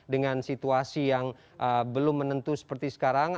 dengan situasi yang belum menentu seperti sekarang